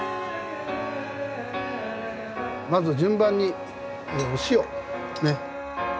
まず順番にお塩ね。